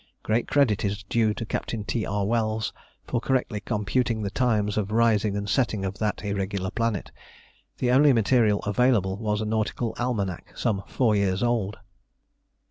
Great credit is due to Captain T. R. Wells for correctly computing the times of rising and setting of that irregular planet. The only material available was a Nautical Almanac some four years old.